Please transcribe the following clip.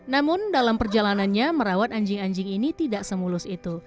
namun dalam perjalanannya merawat anjing anjing ini tidak semulus itu